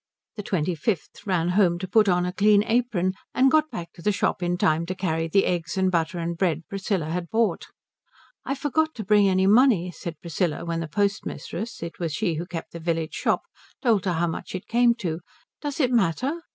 The twenty fifth ran home to put on a clean apron, and got back to the shop in time to carry the eggs and butter and bread Priscilla had bought. "I forgot to bring any money," said Priscilla when the postmistress it was she who kept the village shop told her how much it came to. "Does it matter?"